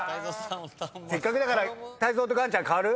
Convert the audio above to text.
せっかくだから。